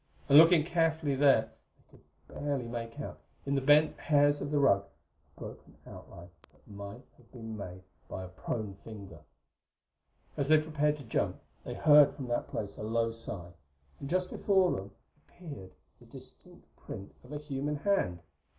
And looking carefully there they could barely make out, in the bent hairs of the rug, a broken outline that might have been made by a prone figure. As they prepared to jump they heard from that place a low sigh and just before them appeared the distinct print of a human hand.